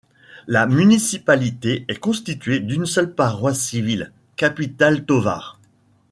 La municipalité est constituée d'une seule paroisse civile, Capital Tovar.